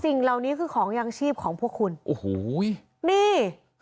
สิ่งเหล่านี้คือของยางชีพของพวกคุณโอ้โหนี่